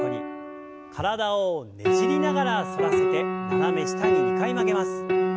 体をねじりながら反らせて斜め下に２回曲げます。